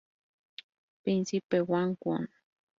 Príncipe Wang Won.